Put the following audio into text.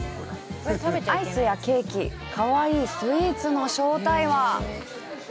アイスやケーキ、かわいいスイーツの正体は？